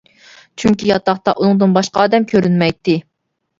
چۈنكى ياتاقتا ئۇنىڭدىن باشقا ئادەم كۆرۈنمەيتتى.